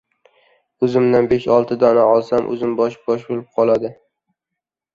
Uzumdan besh-olti dona olsam — uzumbosh losh-losh bo‘lib qoladi.